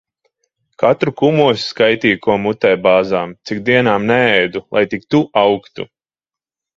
Katru kumosu skaitīja, ko mutē bāzām. Cik dienām neēdu, lai tik tu augtu.